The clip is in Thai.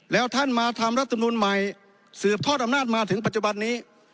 แล้วท่านมาทำรัฐมนุนใหม่สืบทอดอำนาจมาถึงปัจจุบันนี้